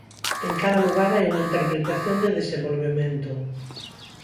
En cada lugar hai unha interpretación de desenvolvemento.